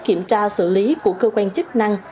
kiểm tra xử lý của cơ quan chức năng